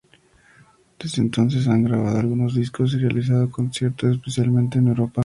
Desde entonces han grabado algunos discos y realizado conciertos especialmente en Europa.